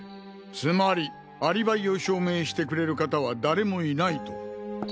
つまりアリバイを証明してくれる方は誰もいないと？